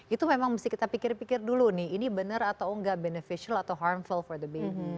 itu memang mesti kita pikir pikir dulu nih ini benar atau enggak beneficial atau harmful for the beam